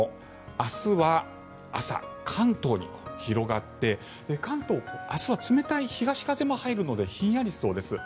明日は朝、関東に広がって関東、明日は冷たい東風も入るのでひんやりしそうです。